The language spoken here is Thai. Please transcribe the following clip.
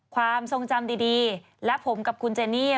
ความทรงจำดีและผมกับคุณเจนี่